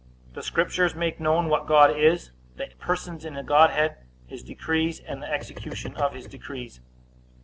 A. The Scriptures make known what God is, the persons in the Godhead, his decrees, and the execution of his decrees.